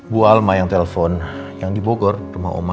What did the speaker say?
bu alma yang telpon yang di bogor rumah oma